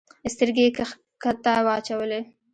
سترګي یې کښته واچولې !